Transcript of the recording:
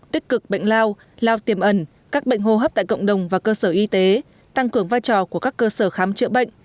tích cực bệnh lao lao tiềm ẩn các bệnh hô hấp tại cộng đồng và cơ sở y tế tăng cường vai trò của các cơ sở khám chữa bệnh